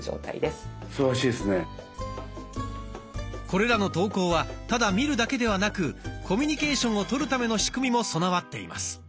これらの投稿はただ見るだけではなくコミュニケーションを取るための仕組みも備わっています。